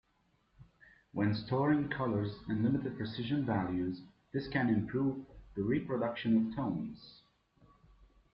When storing colors in limited precision values, this can improve the reproduction of tones.